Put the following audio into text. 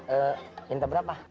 eee minta berapa